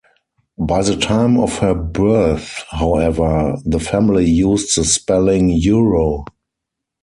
By the time of her birth, however, the family used the spelling Yuro.